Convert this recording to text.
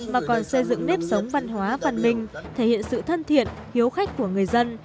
mà còn xây dựng nếp sống văn hóa văn minh thể hiện sự thân thiện hiếu khách của người dân